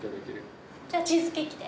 じゃあチーズケーキで。